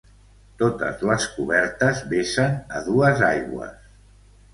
Totes les cobertes vessen a dues aigües.